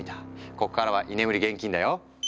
こっからは居眠り厳禁だよ。